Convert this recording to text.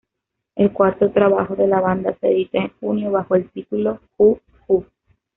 El cuarto trabajo de la banda se edita en junio bajo el título "Juju".